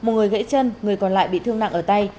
một người gãy chân người còn lại bị thương nặng ở tay